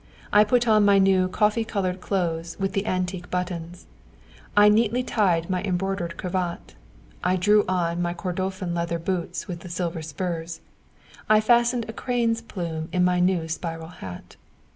I put on my new coffee coloured clothes with the antique buttons; I neatly tied my embroidered cravat; I drew on my Kordofan leather boots with the silver spurs; I fastened a crane's plume in my new spiral hat.